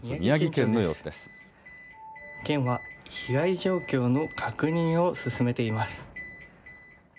県は被害状況の確認を進めています。